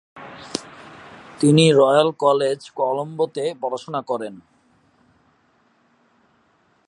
তিনি Royal College, Colombo তে পড়াশোনা করেন।